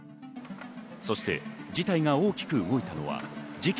そして自体が大きく動いたのは事件